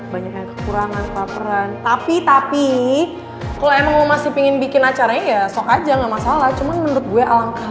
tapi tapi kalau emang masih pingin bikin acara ya sok aja enggak masalah cuman menurut gue alangkah